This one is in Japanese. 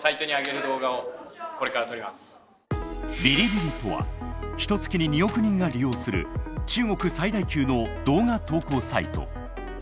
ビリビリとはひとつきに２億人が利用する中国最大級の動画投稿サイト。